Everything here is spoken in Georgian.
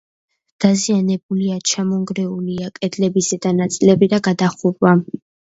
დაზიანებულია: ჩამონგრეულია კედლების ზედა ნაწილები და გადახურვა.